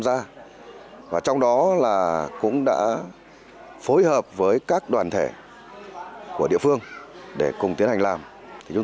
gia và trong đó là cũng đã phối hợp với các đoàn thể của địa phương để cùng tiến hành làm thì chúng